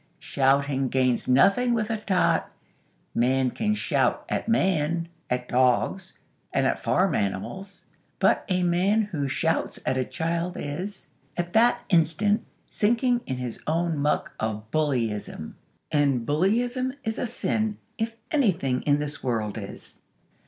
Shouting gains nothing with a tot. Man can shout at Man, at dogs, and at farm animals; but a man who shouts at a child is, at that instant, sinking in his own muck of bullyism; and bullyism is a sin, if anything in this world is.